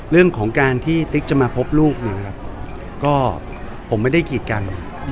เรื่องของการที่ติ๊กจะมาพบลูกก็ผมไม่ได้กีดกัน